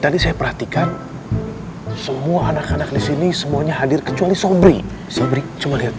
tadi saya perhatikan semua anak anak disini semuanya hadir kecuali sobri sobri cuma lihat